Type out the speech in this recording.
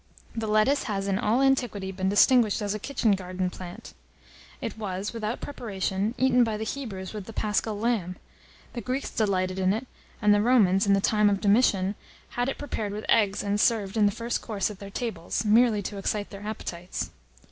The lettuce has in all antiquity been distinguished as a kitchen garden plant. It was, without preparation, eaten by the Hebrews with the Paschal lamb; the Greeks delighted in it, and the Romans, in the time of Domitian, had it prepared with eggs, and served in the first course at their tables, merely to excite their appetites.